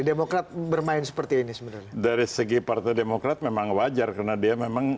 demokrat bermain seperti ini sebenarnya dari segi partai demokrat memang wajar karena dia memang